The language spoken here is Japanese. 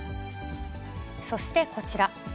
そしてこちら。